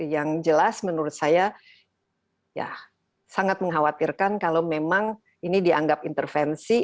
yang jelas menurut saya ya sangat mengkhawatirkan kalau memang ini dianggap intervensi